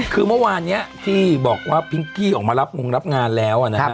คือเมื่อวานนี้ที่บอกว่าพิงกี้ออกมารับงงรับงานแล้วนะฮะ